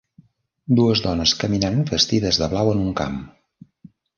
Dues dones caminant vestides de blau en un camp.